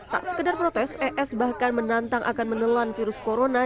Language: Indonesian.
tak sekedar protes es bahkan menantang akan menelan virus corona